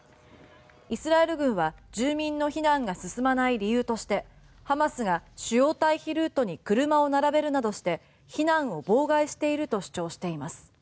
イスラエル軍は住民の避難が進まない理由としてハマスが主要退避ルートに車を並べるなどして避難を妨害していると主張しています。